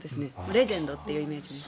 レジェンドというイメージで。